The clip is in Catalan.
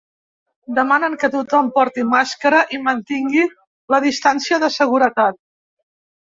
Demanen que tothom porti màscara i mantingui la distància de seguretat.